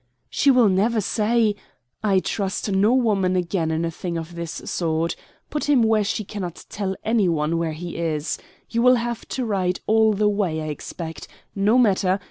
"She will never say " "I trust no woman again in a thing of this sort. Put him where she cannot tell any one where he is. You will have to ride all the way, I expect. No matter.